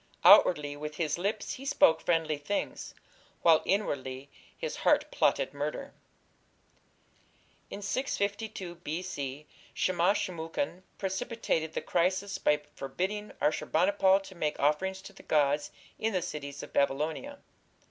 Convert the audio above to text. "Outwardly with his lips he spoke friendly things, while inwardly his heart plotted murder." In 652 B.C. Shamash shum ukin precipitated the crisis by forbidding Ashur bani pal to make offerings to the gods in the cities of Babylonia.